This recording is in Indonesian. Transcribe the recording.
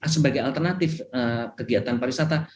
sebagai alternatif kegiatan pariwisata